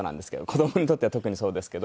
子供にとっては特にそうですけど。